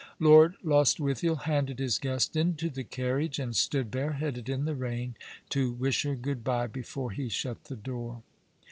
Lord Lostwithiel handed his guest into the carriage, and stood bareheaded in the rain to wish her good bye before he shut the door.